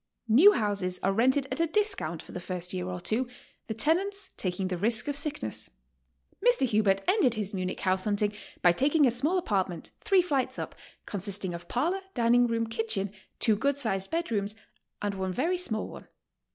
New houses are rented at a discount for the first year t)r two, the tenants taking the risk of sickness. Mr. Hubert ended his Munich house hunting by taking a small apartment, three flights up, consisting of parlor, dining room, kitchen, two good sized bed rooms, and one very small one.